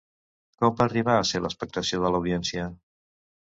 Com va arribar a ser l'expectació de l'audiència?